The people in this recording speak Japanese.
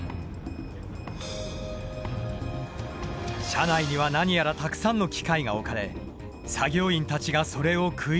車内には何やらたくさんの機械が置かれ作業員たちがそれを食い入るように見つめている。